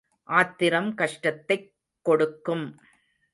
ஆத்திரம் கஷ்டத்தைக் கொடுக்கும்.